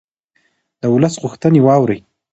د ولس غوښتنې واورئ